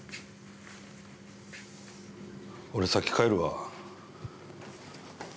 俺先帰るわ。